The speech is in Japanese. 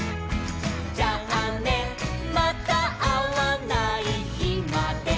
「じゃあねまたあわないひまで」